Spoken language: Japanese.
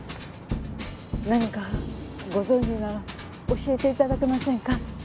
何かご存じなら教えて頂けませんか？